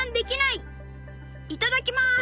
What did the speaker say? いただきます！